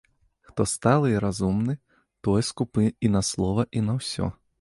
Хто сталы і разумны, той скупы і на слова, і на ўсё.